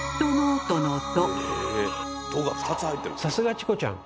さすがチコちゃん！